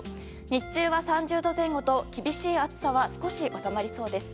日中は３０度前後と厳しい暑さは少し収まりそうです。